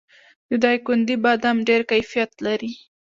د دایکنډي بادام ډیر کیفیت لري.